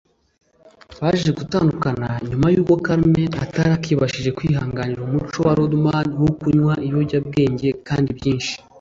Baje gutandukana nyuma y’ uko Carmen atari akibashije kwihanganira umuco wa Rodman wo kunywa ibiyobyabwenge kandi byinshi